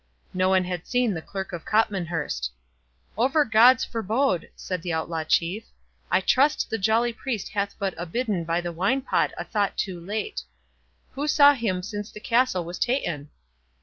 —No one had seen the Clerk of Copmanhurst. "Over gods forbode!" said the outlaw chief, "I trust the jolly priest hath but abidden by the wine pot a thought too late. Who saw him since the castle was ta'en?"